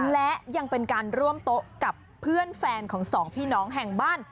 และยังเป็นการร่วมโต๊ะกับเพื่อนแฟนของสองพี่น้องแห่งบ้าน